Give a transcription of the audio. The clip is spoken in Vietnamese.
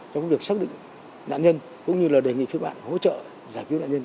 trong việc xác định nạn nhân cũng như là đề nghị các bạn hỗ trợ giải cứu nạn nhân